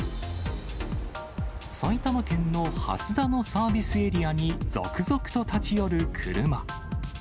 埼玉県の蓮田のサービスエリアに続々と立ち寄る車。